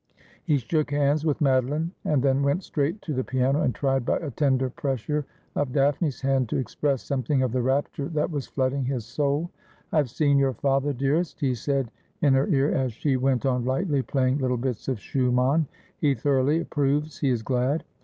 He shook hands with Madoline, and then went straight to the piano, and tried by a tender pressure of Daphne's hand to express something of the rapture that was flooding his soul. ' T have seen your father, dearest,' he said in her ear, as she *For I wol gladly yelden Hire my Place.'' 243 went on lightly playing little bits of Schumann. ' He thoroughly approves — he is glad.'